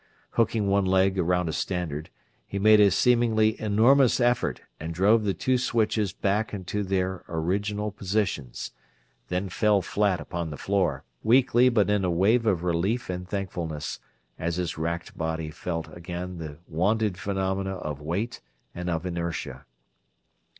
Hooking one leg around a standard, he made a seemingly enormous effort and drove the two switches back into their original positions; then fell flat upon the floor, weakly but in a wave of relief and thankfulness, as his racked body felt again the wonted phenomena of weight and of inertia.